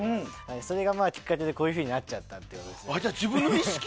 それがきっかけでこういうふうになっちゃったっていう。